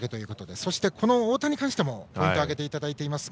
そして太田に関してもポイントを挙げていただきますか。